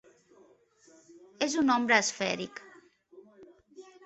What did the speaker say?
És un nombre esfèric.